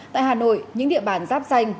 tại hà nội những địa bàn giáp danh